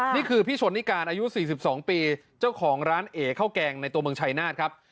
นี่คือพี่ชนนิการอายุ๔๒ปีเจ้าของร้านเอ๋ข้าวแกงในตัวเมืองชายนาฏครับ